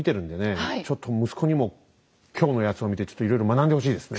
ちょっと息子にも今日のやつを見てちょっといろいろ学んでほしいですね。